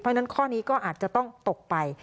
เพราะฉะนั้นข้อนี้ก็อาจจะต้องตกไป